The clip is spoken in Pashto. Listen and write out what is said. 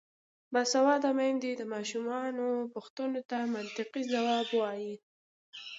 باسواده میندې د ماشومانو پوښتنو ته منطقي ځواب وايي.